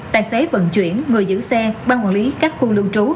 tài xế vận chuyển người giữ xe ban quản lý các khu lưu trú